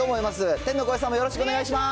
天の声さんもよろしくお願いします。